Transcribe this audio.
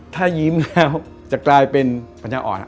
ถ้ายิ้มแล้วจะกลายเป็นปัญญาอ่อน